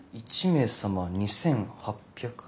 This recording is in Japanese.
１名様２、８００円。